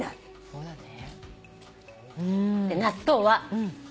そうだね。